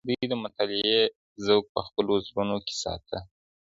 دوی د مطالعې ذوق په خپلو زړونو کي ساته.